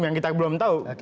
yang kita belum tahu